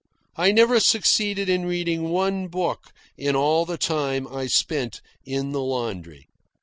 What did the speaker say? I never succeeded in reading one book in all the time I spent in the laundry.